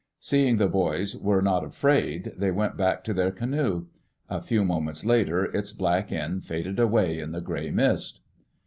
Seeing the boys were not afraid, they went back to their canoe. A few moments later its black end faded away in the gray mist.